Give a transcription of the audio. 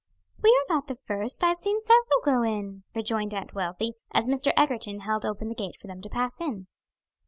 "We are not the first, I have seen several go in," rejoined Aunt Wealthy, as Mr. Egerton held open the gate for them to pass in.